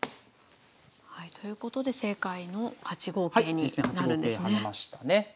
はいということで正解の８五桂になるんですね。